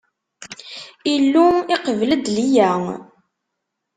Illu iqbel-d Liya.